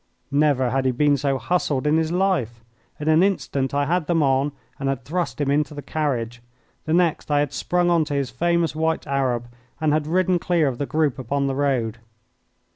Never had he been so hustled in his life. In an instant I had them on and had thrust him into the carriage. The next I had sprung on to his famous white Arab and had ridden clear of the group upon the road.